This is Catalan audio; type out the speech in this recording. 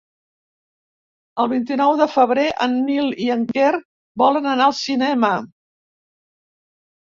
El vint-i-nou de febrer en Nil i en Quer volen anar al cinema.